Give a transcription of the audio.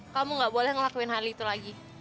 kamu gak boleh ngelakuin hali itu lagi